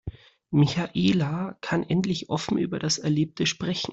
Michaela kann endlich offen über das Erlebte sprechen.